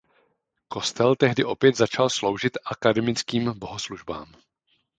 Kostel tehdy opět začal sloužit akademickým bohoslužbám.